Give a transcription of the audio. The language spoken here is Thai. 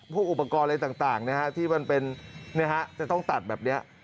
พวกอุปกรณ์อะไรต่างที่มันจะต้องตัดแบบนี้